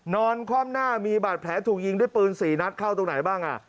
นอนคว่ำหน้ามีบาดแผลถูกยิงด้วยปืน๔นัดเข้าตรงไหนบ้าง